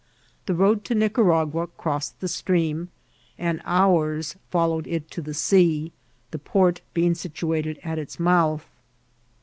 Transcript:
The road to Nicaragua crossed the stream, and ours followed it to the sea, the port being situated at its mouth.